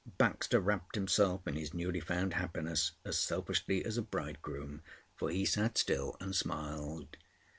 Baxter wrapped himself in his newly found happiness as selfishly as a bridegroom, for he sat still and smiled.